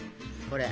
これ。